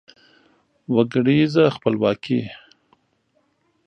وګړیزه خپلواکي